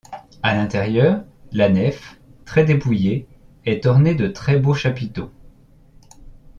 À l'intérieur, la nef, très dépouillée, est ornée de très beaux chapiteaux.